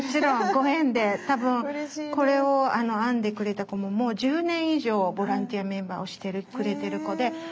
多分これを編んでくれた子ももう１０年以上ボランティアメンバーをしてくれてる子で。